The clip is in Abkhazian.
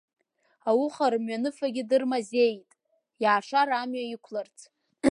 Ауха рымҩаныфагьы дырмазеиит, иаашар амҩа иқәларц.